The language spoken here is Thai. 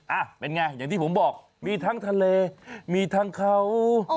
อ่ะเป็นไงอย่างที่ผมบอกมีทั้งทะเลมีทั้งเขา